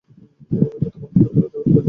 এবং, এটা তোমার হাতে তুলে দেওয়ার জন্য!